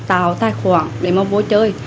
tạo tài khoản để mà vô chơi